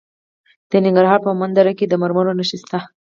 د ننګرهار په مومند دره کې د مرمرو نښې شته.